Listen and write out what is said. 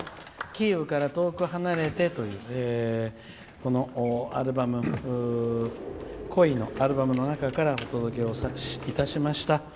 「キーウから遠く離れて」という「孤悲」のアルバムの中からお届けをいたしました。